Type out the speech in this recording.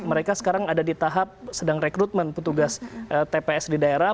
mereka sekarang ada di tahap sedang rekrutmen petugas tps di daerah